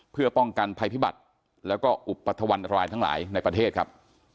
เพื่อป้องกันภัยพิบัติแล้วก็อุปถวันรายทั้งหลายในประเทศครับ